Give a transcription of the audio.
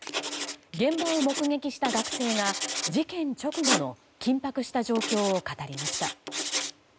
現場を目撃した学生が事件直後の緊迫した状況を語りました。